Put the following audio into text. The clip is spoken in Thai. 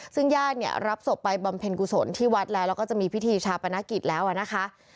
ซึ่งญาติเนี่ยรับศพไปบำเพ็ญกุศลที่วัดแล้วแล้วก็จะมีพิธีชาปนกิจแล้วนะคะ